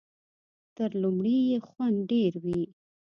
تر لومړي یې خوند ډېر وي .